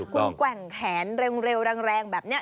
คุณแกว่งแขนเร็วแรงแบบนี้